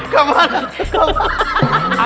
กลับมา